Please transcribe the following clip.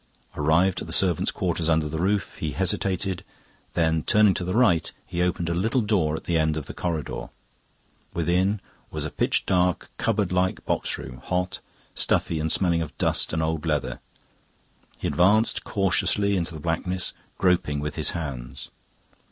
Arrived at the servants' quarters under the roof, he hesitated, then turning to the right he opened a little door at the end of the corridor. Within was a pitch dark cupboard like boxroom, hot, stuffy, and smelling of dust and old leather. He advanced cautiously into the blackness, groping with his hands.